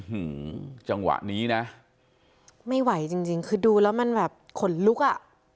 หือจังหวะนี้นะไม่ไหวจริงจริงคือดูแล้วมันแบบขนลุกอ่ะ